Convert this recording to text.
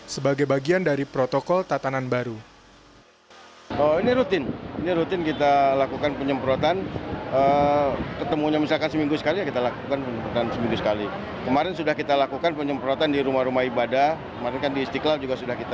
sebagai bagian dari protokol tatanan baru